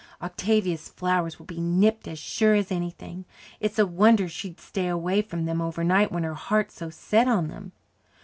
Octavia's flowers will be nipped as sure as anything. It's a wonder she'd stay away from them overnight when her heart's so set on them."